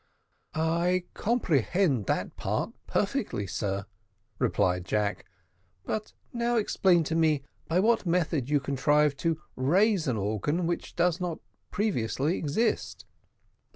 "I comprehend that part perfectly, sir," replied Jack; "but now explain to me by what method you contrive to raise an organ which does not previously exist."